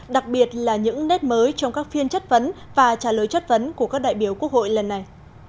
đặc biệt là những nét mới trong các phiên chất vấn và trả lời chất vấn của các đại biểu quốc hội lần này